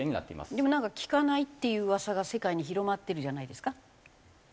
でもなんか効かないっていう噂が世界に広まってるじゃないですか。